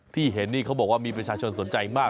ที่เห็นนี่เขาบอกว่ามีประชาชนสนใจมาก